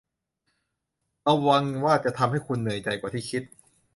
ระวังว่าจะทำให้คุณเหนื่อยใจกว่าที่คิด